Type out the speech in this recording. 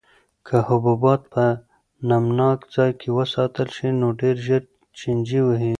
که حبوبات په نمناک ځای کې وساتل شي نو ډېر ژر چینجي وهي.